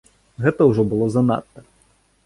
Гэта ўжо было занадта!